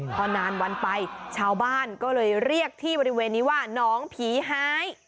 พอนานวันไปชาวบ้านก็เลยเรียกที่บริเวณนี้ว่าน้องผีหาย